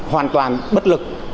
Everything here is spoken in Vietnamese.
hoàn toàn bất lực